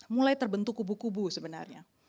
mulai terbentuk kubu kubu sebenarnya